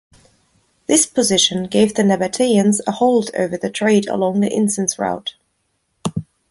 This position gave the Nabateans a hold over the trade along the Incense Route.